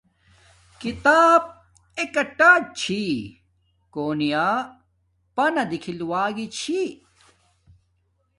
کتاب ایک ٹارچ چھی کوننیا پانا دیکھل وگی چھی